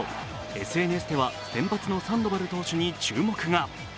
ＳＮＳでは、先発のサンドバル投手に注目が。